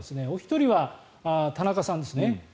お一人は田中さんですね。